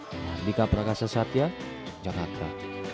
dengan dika prakasa satya jakarta